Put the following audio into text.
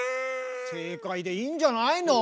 正解でいいんじゃないの？